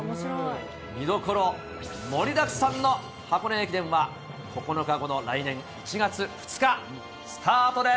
見どころ盛りだくさんの箱根駅伝は、９日後の来年１月２日スタートです。